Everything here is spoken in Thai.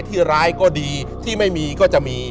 ที่ร้ายก็ดีที่ไม่มีก็จะมี